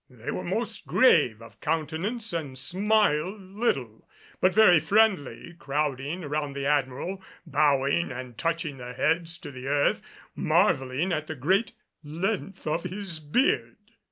They were most grave of countenance and smiled little; but very friendly, crowding around the Admiral, bowing and touching their heads to the earth, marvelling at the great length of his beard.